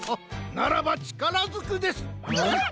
ならばちからずくです！